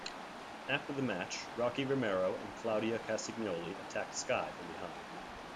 After the match Rocky Romero and Claudio Castagnoli atttacked Sky from behind.